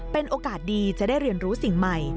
เป็นโอกาสดีจะได้เรียนรู้สิ่งใหม่